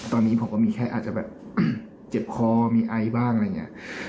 ตอนนี้ผมก็มีแค่อาจจะแบบเจ็บคอมีไอบ้างอะไรอย่างนี้